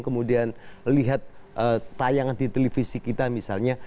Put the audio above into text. kemudian lihat tayangan di televisi kita misalnya